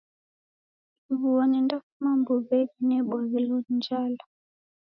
Ighuo nendafuma mbuwenyi nebwaghilo ni njala